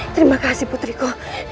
terima kasih putriku